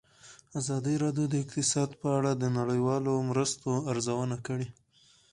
ازادي راډیو د اقتصاد په اړه د نړیوالو مرستو ارزونه کړې.